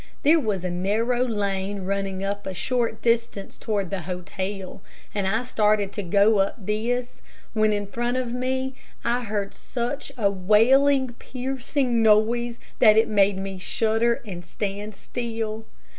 There was a narrow lane running up a short distance toward the hotel, and I started to go up this, when in front of me I heard such a wailing, piercing noise, that it made me shudder and stand still.